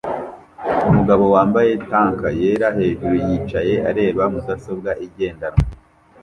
Umugabo wambaye tank yera hejuru yicaye areba mudasobwa igendanwa